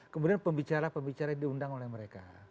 kemudian pembicara pembicara diundang oleh mereka